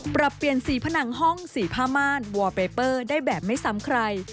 ปรับเปลี่ยนสีผนังห้องสีผ้าม่านวอลเปเปอร์ได้แบบไม่ซ้ำใคร